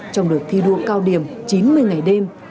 trong đợt thi đua cao điểm chín mươi ngày đêm